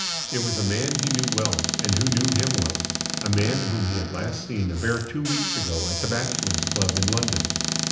It was a man he knew well and who knew him well a man whom he had last seen a bare two weeks ago at the Bachelors' Club in London.